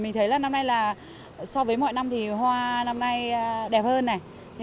mình thấy là năm nay là so với mọi năm thì hoa năm nay đẹp hơn này